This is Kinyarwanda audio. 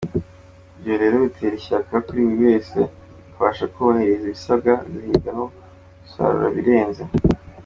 Ibyo rero bitera ishyaka buri wese akabasha kubahiriza ibisabwa agahiga no gusarura ibirenze.